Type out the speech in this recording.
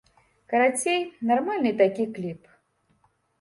Карацей, нармальны такі кліп.